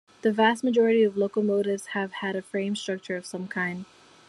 The vast majority of locomotives have had a frame structure of some kind.